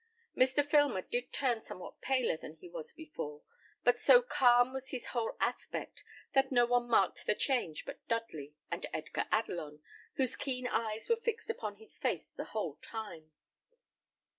Mr. Filmer did turn somewhat paler than he was before; but so calm was his whole aspect, that no one marked the change but Dudley and Edgar Adelon, whose keen eyes were fixed upon his face the whole time.